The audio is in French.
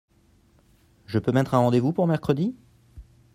Je peux mettre un rendez-vous pour mercredi ?